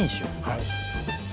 はい。